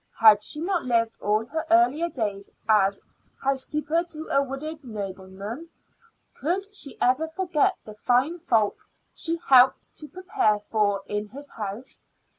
Had she not lived all her earlier days as housekeeper to a widowed nobleman? Could she ever forget the fine folk she helped to prepare for in his house?